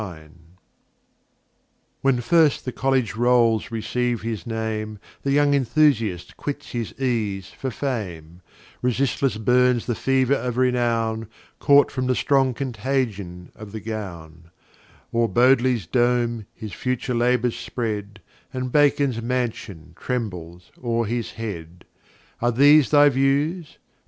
[Footnote f: Ver. 108 113.] When[g] first the College Rolls receive his Name, The young Enthusiast quits his Ease for Fame; Resistless burns the Fever of Renown, Caught from the strong Contagion of the Gown; O'er Bodley's Dome his future Labours spread, And Bacon's Mansion trembles o'er his Head; Are these thy Views?